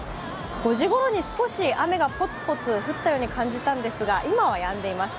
５時ごろに少し雨がポツポツ降ったように感じたんですが今はやんでいます。